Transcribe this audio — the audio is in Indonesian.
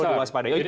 yang perlu diwaspada